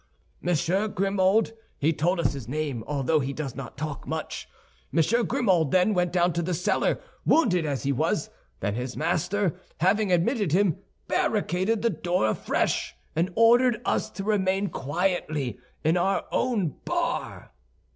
Monsieur Grimaud (he told us his name, although he does not talk much)—Monsieur Grimaud, then, went down to the cellar, wounded as he was; then his master, having admitted him, barricaded the door afresh, and ordered us to remain quietly in our own bar."